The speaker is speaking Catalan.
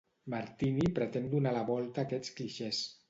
Martini pretén donar la volta a aquests clixés.